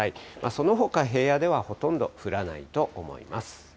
そのほか、平野ではほとんど降らないと思います。